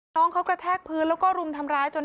น้องเขากระแทกพื้นแล้วก็รุมทำร้ายจน